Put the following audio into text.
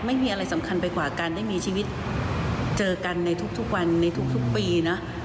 ไม่มีอะไรสำคัญไปกว่าการได้มีชีวิตเจอกันในทุกวันในทุกปีนะ